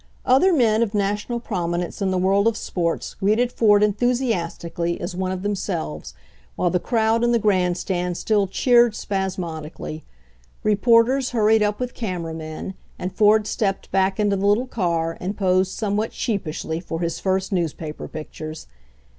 Other men of national prominence in the world of sports greeted Ford enthusiastically as one of no it HI 't i? RAISING CAPITAL in themselves, while the crowd in the grandstand still cheered spasmodically. Reporters hurried up with camera men, and Ford stepped back into the little car and posed somewhat sheepishly for his first newspaper pictures.